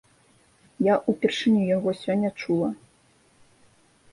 Я ўпершыню яго сёння чула.